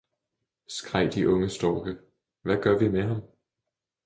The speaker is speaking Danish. skreg de unge storke, hvad gør vi ved ham?